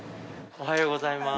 おはようございます。